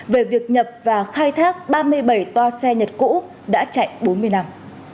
về việc nhập và khai thác ba mươi bảy toa xe nhật cũ đã chạy bốn mươi năm